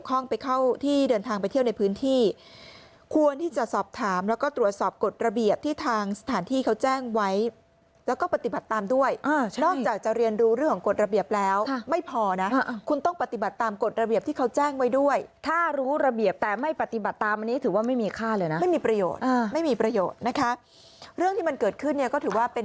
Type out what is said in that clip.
เดินทางไปเที่ยวในพื้นที่ควรที่จะสอบถามแล้วก็ตรวจสอบกฎระเบียบที่ทางสถานที่เขาแจ้งไว้แล้วก็ปฏิบัติตามด้วยนอกจากจะเรียนรู้เรื่องของกฎระเบียบแล้วไม่พอนะคุณต้องปฏิบัติตามกฎระเบียบที่เขาแจ้งไว้ด้วยถ้ารู้ระเบียบแต่ไม่ปฏิบัติตามอันนี้ถือว่าไม่มีค่าเลยนะไม่มีประโยชน์ไม่มีประโยชน์นะคะเรื่องที่มันเกิดขึ้นเนี่ยก็ถือว่าเป็น